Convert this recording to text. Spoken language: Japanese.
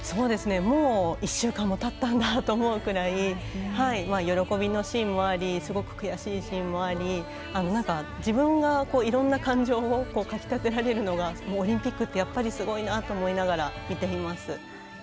もう１週間もたったんだと思うくらい喜びのシーンもあり悔しいシーンもあり自分がいろんな感情をかき立てられるのがオリンピックってすごいなと思いながら見ています。